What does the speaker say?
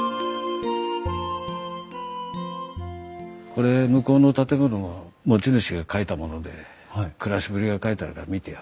これ向こうの建物の持ち主が書いたもので暮らしぶりが書いてあるから見てよ。